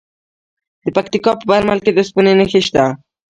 د پکتیکا په برمل کې د اوسپنې نښې شته.